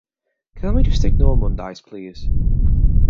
Can we just ignore Mondays, please?